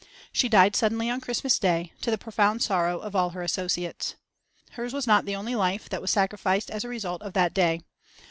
She died suddenly on Christmas day, to the profound sorrow of all her associates. Hers was not the only life that was sacrificed as a result of that day.